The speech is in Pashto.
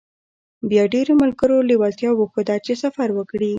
بيا ډېرو ملګرو لېوالتيا وښوده چې سفر وکړي.